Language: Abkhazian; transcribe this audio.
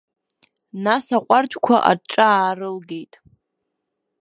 Нас аҟәардәқәа аҿҿа аарылгеит.